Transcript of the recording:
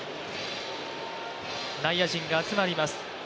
内野陣が集まります。